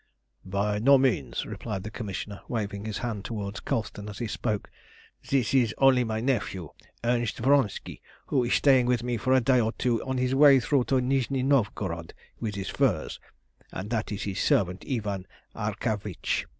"By no means," replied the commissioner, waving his hand toward Colston as he spoke. "This is only my nephew, Ernst Vronski, who is staying with me for a day or two on his way through to Nizhni Novgorod with his furs, and that is his servant, Ivan Arkavitch.